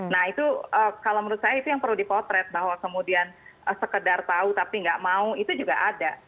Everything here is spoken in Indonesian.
nah itu kalau menurut saya itu yang perlu dipotret bahwa kemudian sekedar tahu tapi nggak mau itu juga ada